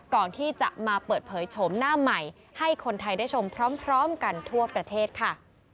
ก่อนที่จะมาเปิดเผยโฉมหน้าใหม่ให้คนไทยได้ชมพร้อมกันทั่วประเทศค่ะ